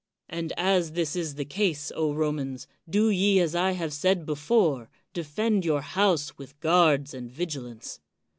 And as this is the case, Romans, do ye as I have said before, defend your house with guards and vigilance.